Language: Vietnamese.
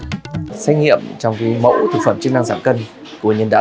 tiến sĩ nguyễn trung nguyễn trung giám đốc trung tâm chống độc bên việt bạch mai cho biết